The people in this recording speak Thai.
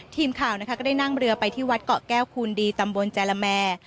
ทีมข่าวนะคะก็ได้นั่งเรือไปที่วัดเกาะแก้วคูณดีตำบลจาละแมร์